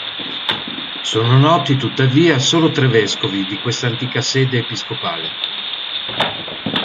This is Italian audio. Sono noti tuttavia solo tre vescovi di questa antica sede episcopale.